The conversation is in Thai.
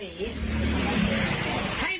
มีคนอยู่ไหมครับ